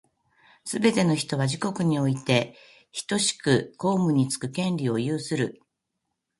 すべて人は、自国においてひとしく公務につく権利を有する。